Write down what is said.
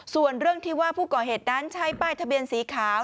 ส่วนเรื่องที่ว่าผู้ก่อเหตุนั้นใช้ป้ายทะเบียนสีขาว